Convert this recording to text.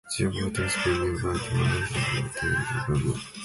The water is sprinkled about the house with the help of a palm branch.